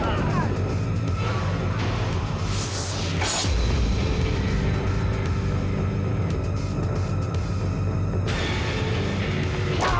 lu sama akurah pakeur lu